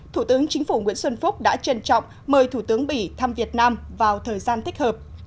thủ tướng chính phủ nguyễn xuân phúc đã trân trọng mời thủ tướng bỉ thăm việt nam vào thời gian thích hợp